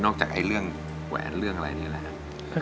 จากเรื่องแหวนเรื่องอะไรนี่แหละครับ